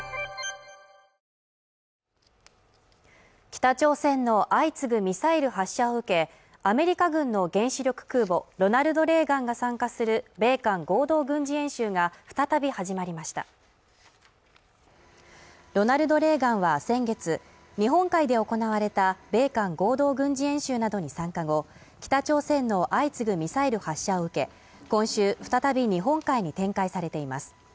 北朝鮮の相次ぐミサイル発射を受けアメリカ軍の原子力空母「ロナルド・レーガン」が参加する米韓合同軍事演習が再び始まりました「ロナルド・レーガン」は先月日本海で行われた米韓合同軍事演習などに参加後北朝鮮の相次ぐミサイル発射を受け今週再び日本海に展開されています